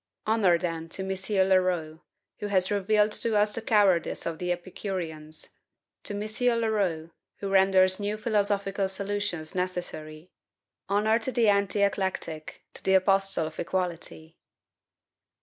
Honor then to M. Leroux, who has revealed to us the cowardice of the Epicureans; to M. Leroux, who renders new philosophical solutions necessary! Honor to the anti eclectic, to the apostle of equality!